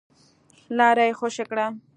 لاره يې خوشې کړه.